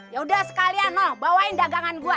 yaudah sekalian bawain dagangan gue